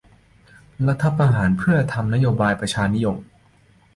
รัฐประหารเพื่อทำนโยบายประชานิยม